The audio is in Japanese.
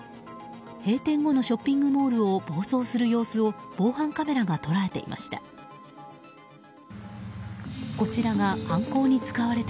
閉店後のショッピングモールを暴走する様子を防犯カメラが捉えていました。